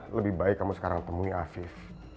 lebih baik kamu sekarang temui asif